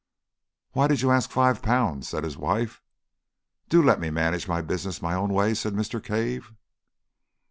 "Why did you ask five pounds?" said his wife. "Do let me manage my business my own way!" said Mr. Cave.